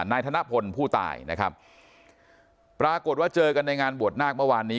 นายธนพลผู้ตายนะครับปรากฏว่าเจอกันในงานบวชนาคเมื่อวานนี้